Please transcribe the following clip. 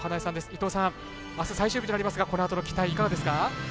伊藤さん、あすは最終日ですがこのあとの期待いかがですか？